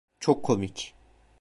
Çok komik!